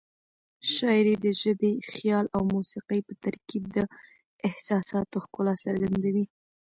شاعري د ژبې، خیال او موسيقۍ په ترکیب د احساساتو ښکلا څرګندوي.